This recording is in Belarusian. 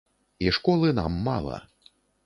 І школы нам мала.